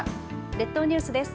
列島ニュースです。